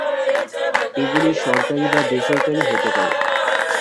এগুলি সরকারি বা বেসরকারি হতে পারে।